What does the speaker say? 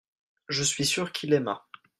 je suis sûr qu'il aima.